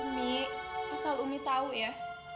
umi asal umi tau ya